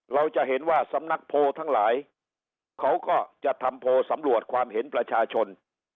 เราจะเห็นว่าสำนักโพลทั้งหลายเขาก็จะทำโพลสำรวจความเห็นประชาชน